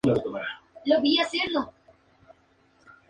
Ha aparecido frecuentemente en producciones de Glen A. Larson.